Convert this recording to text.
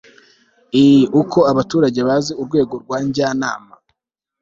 ii uko abaturage bazi urwego rwa njyanama